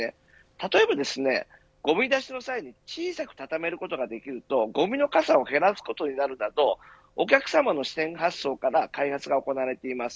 例えばですね、ゴミ出しの際に小さく畳めることができるとごみの数を減らすことになるなどお客様の視点発想から開発が行われています。